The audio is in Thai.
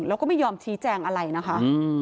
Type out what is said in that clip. แล้วก็ไม่ยอมชี้แจงอะไรนะคะ